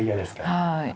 はい。